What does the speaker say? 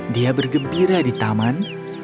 dia bergembira di taman